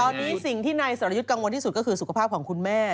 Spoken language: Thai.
ตอนนี้สิ่งที่นายสรยุทธ์กังวลที่สุดก็คือสุขภาพของคุณแม่